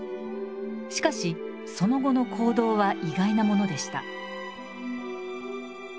しかしその後の行動は意外なものでした。